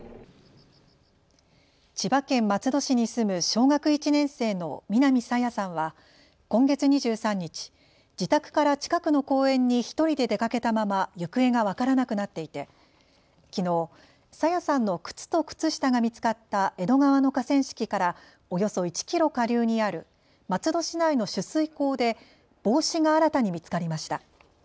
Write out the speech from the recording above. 千葉県松戸市に住む小学１年生の南朝芽さんは今月２３日、自宅から近くの公園に１人で出かけたまま行方が分からなくなっていてきのう、朝芽さんの靴と靴下が見つかった江戸川の河川敷からおよそ１キロ下流にある松戸市内の取水口で帽子が新たに見つかりました。